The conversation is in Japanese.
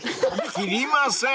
［切りません］